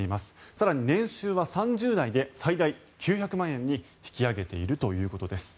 更に年収は３０代で最大９００万円に引き上げているということです。